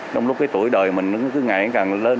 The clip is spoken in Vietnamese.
trong lúc cái tuổi đời mình cứ ngại càng lên